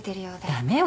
駄目よ。